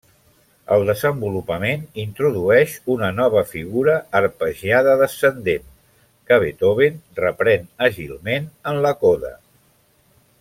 El desenvolupament introdueix una nova figura arpegiada descendent, que Beethoven reprèn àgilment en la coda.